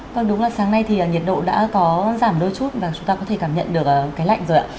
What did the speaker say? vâng đúng là sáng nay thì nhiệt độ đã có giảm đôi chút và chúng ta có thể cảm nhận được cái lạnh rồi ạ